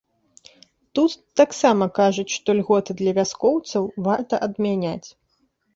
Тут таксама кажуць, што льготы для вяскоўцаў варта адмяняць.